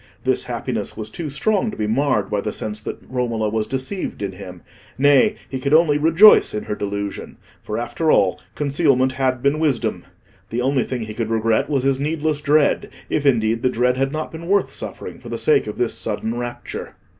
This happiness was too strong to be marred by the sense that Romola was deceived in him; nay, he could only rejoice in her delusion; for, after all, concealment had been wisdom. The only thing he could regret was his needless dread; if, indeed, the dread had not been worth suffering for the sake of this sudden rapture.